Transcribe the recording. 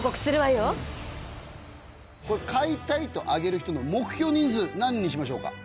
これ「買いたい」と上げる人の目標人数何人にしましょうか？